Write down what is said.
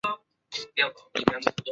成虫主要寄生在山羊和绵羊的真胃。